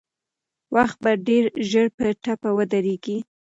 وخت به ډېر ژر په ټپه ودرېږي.